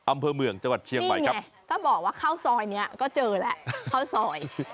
อำเภอเมืองจังหวัดเชียงใหม่ครับถ้าบอกว่าข้าวซอยนี้ก็เจอแล้วข้าวซอย